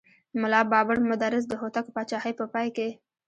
ملا بابړ مدرس د هوتکو پاچاهۍ په پای کې.